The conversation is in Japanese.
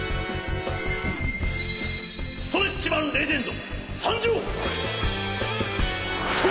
ストレッチマン・レジェンド？